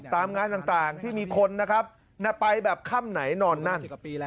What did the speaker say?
ตามงานต่างที่มีคนนะครับไปแบบค่ำไหนนอนนั่น